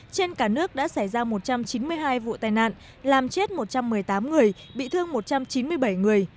trên cả nước đã xảy ra một trăm chín mươi hai vụ tai nạn làm chết một trăm một mươi tám người bị thương một trăm chín mươi bảy người